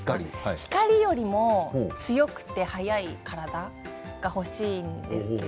光よりも強くて速い体が欲しいんです。